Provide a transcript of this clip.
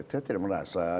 saya tidak merasa